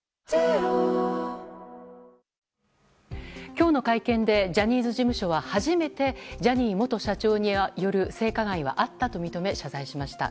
今日の会見でジャニーズ事務所は初めてジャニー元社長による性加害はあったと認め謝罪しました。